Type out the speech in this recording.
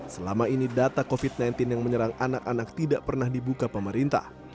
selama ini data covid sembilan belas yang menyerang anak anak tidak pernah dibuka pemerintah